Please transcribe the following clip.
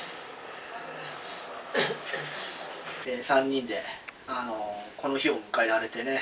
３人でこの日を迎えられてね。